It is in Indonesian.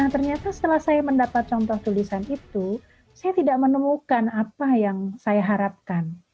ternyata setelah saya mendapat contoh tulisan itu saya tidak menemukan apa yang saya harapkan